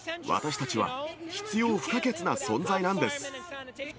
私たちは必要不可欠な存在なんです。